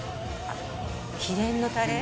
あっ秘伝のタレ